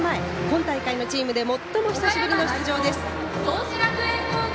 今大会のチームで最も久しぶりの出場です。